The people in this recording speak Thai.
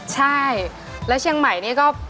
ใช่แล้วเชียงใหม่นี่ก็